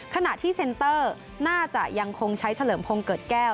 ขณะที่เซ็นเตอร์น่าจะยังคงใช้เฉลิมพงศ์เกิดแก้ว